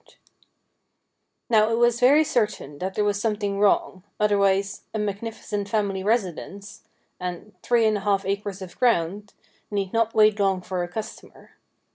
202 STORIES WEIRD AND WONDERFUL Now, it was very certain that there was something wrong, otherwise ' a magnificent family residence,' and ' three and a half acres of ground ' need not wait long for a customer.